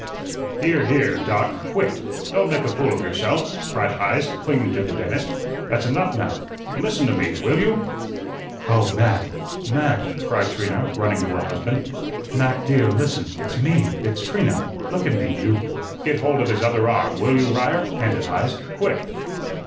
"Here, here, Doc, quit. Don't make a fool of yourself," cried Heise, clinging to the dentist. "That's enough now. LISTEN to me, will you?" "Oh, Mac, Mac," cried Trina, running to her husband. "Mac, dear, listen; it's me, it's Trina, look at me, you " "Get hold of his other arm, will you, Ryer?" panted Heise. "Quick!"